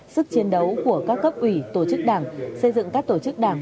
sức chiến đấu của các cấp ủy tổ chức đảng xây dựng các tổ chức đảng